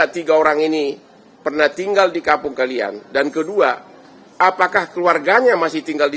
tiga orang ini pernah tinggal di kampung kalian dan kedua apakah keluarganya masih tinggal di